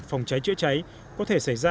phòng cháy chữa cháy có thể xảy ra